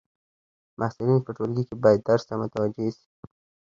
محصلین په ټولګی کي باید درس ته متوجي سي.